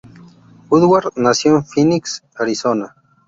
Woodward nació en Phoenix, Arizona.